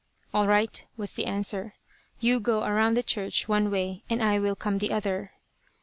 "All right," was the answer. "You go around the church one way, and I will come the other."